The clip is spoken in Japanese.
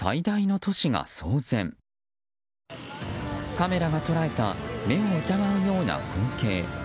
カメラが捉えた目を疑うような光景。